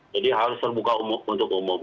jadi harus terbuka untuk umum